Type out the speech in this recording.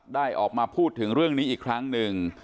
ได้ออกมาพูดถึงเรื่องนี้อีกครั้งหนึ่ง